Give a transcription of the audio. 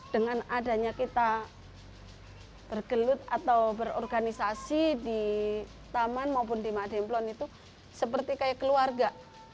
dengan adanya kita bergelut atau berorganisasi di taman maupun di makdemplon itu seperti kayak keluarga